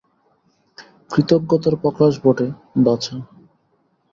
কৃতজ্ঞতার প্রকাশ বটে, বাছা।